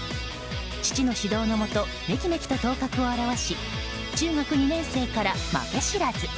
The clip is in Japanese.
父の指導のもとめきめきと頭角を現し中学２年生から負け知らず。